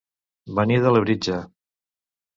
Venir de Labritja.